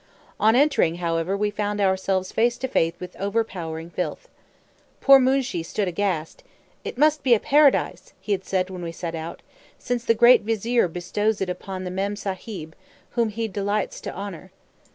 On entering, however, we found ourselves face to face with overpowering filth. Poor Moonshee stood aghast. "It must be a paradise," he had said when we set out, "since the great Vizier bestows it upon the Mem Sahib, whom he delights to honor."